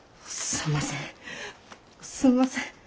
すんません。